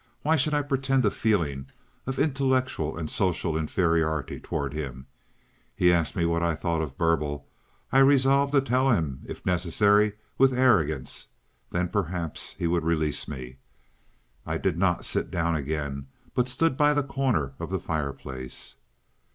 Why should I pretend a feeling of intellectual and social inferiority toward him. He asked what I thought of Burble. I resolved to tell him—if necessary with arrogance. Then perhaps he would release me. I did not sit down again, but stood by the corner of the fireplace.